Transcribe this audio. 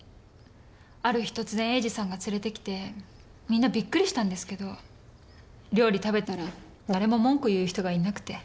ある日突然栄治さんが連れてきてみんなびっくりしたんですけど料理食べたら誰も文句言う人がいなくて。